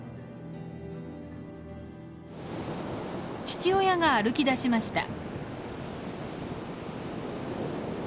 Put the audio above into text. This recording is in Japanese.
父親が歩きだしました。